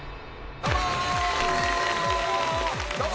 どうも！